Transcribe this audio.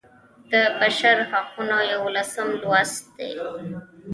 د بشر حقونه یوولسم لوست دی.